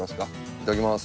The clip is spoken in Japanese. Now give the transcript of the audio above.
いただきます。